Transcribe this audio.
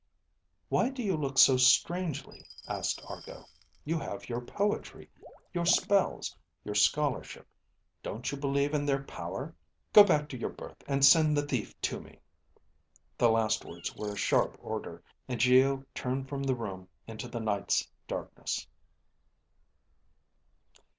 "Why do you look so strangely?" asked Argo. "You have your poetry, your spells, your scholarship. Don't you believe in their power? Go back to your berth, and send the thief to me." The last words were a sharp order, and Geo turned from the room into the night's darkness.